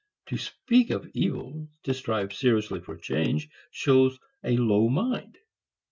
To speak of evils, to strive seriously for change, shows a low mind.